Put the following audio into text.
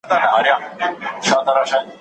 غوښه په سرو غوړیو کې سره شوې وه.